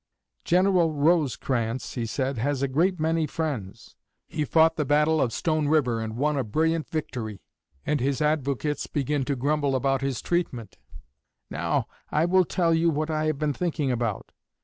"General Rosecrans," said he, "has a great many friends; he fought the battle of Stone River and won a brilliant victory, and his advocates begin to grumble about his treatment. Now, I will tell you what I have been thinking about.